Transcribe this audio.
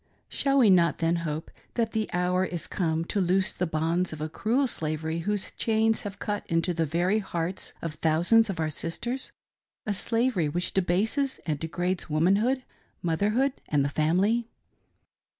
Shall we not then hope that the hour is come to loose the bonds of a cruel slavery whose chains have cut into the very hearts of thousands of our sisters — a slavery which debases and degrades womanhood, motherhood, and the family.'